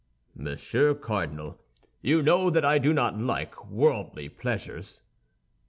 "Monsieur Cardinal, you know that I do not like worldly pleasures."